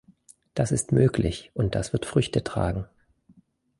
Das ist möglich, und das wird Früchte tragen.